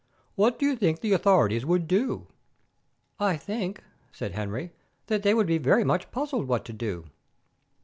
What do you think the authorities would do?" "I think," said Henry, "that they would be very much puzzled what to do."